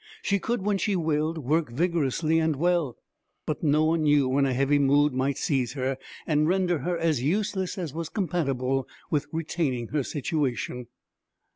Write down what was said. She could, when she willed, work vigorously and well; but no one knew when a heavy mood might seize her, and render her as useless as was compatible with retaining her situation.